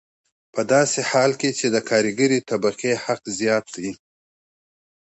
په داسې حال کې چې د کارګرې طبقې حق زیات دی